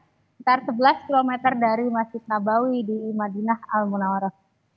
jadi di mekah itu kita akan menjalankan umroh umroh yang lebih besar dari masjid nabawi di madinah al munawarah